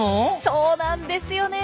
そうなんですよね。